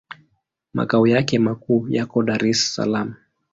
Makao yake makuu yako Dar es Salaam.